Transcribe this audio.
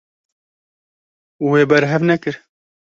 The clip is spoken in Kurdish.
Wê berhev nekir.